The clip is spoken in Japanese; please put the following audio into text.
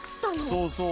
そうそう。